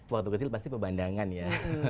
waktu kecil pasti pemandangan ya